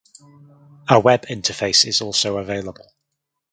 A web interface is also available.